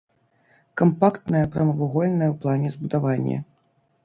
Кампактнае прамавугольнае ў плане збудаванне.